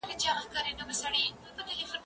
زه سبزیجات نه تياروم،